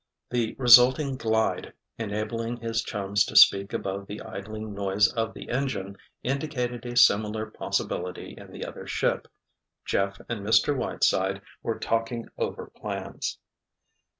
The resulting glide, enabling his chums to speak above the idling noise of the engine, indicated a similar possibility in the other ship—Jeff and Mr. Whiteside were talking over plans.